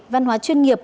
văn hóa chuyên nghiệp